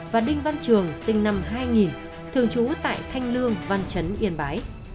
và đinh văn trường sinh năm hai nghìn thường trú tại thanh lương văn chấn yên bái